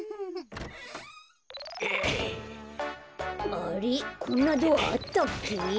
あれっこんなドアあったっけ？